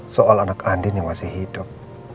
soal anak andin yang masih hidup